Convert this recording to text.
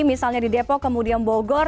misalnya di depok kemudian bogor